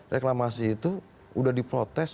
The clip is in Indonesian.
reklamasi itu sudah diprotes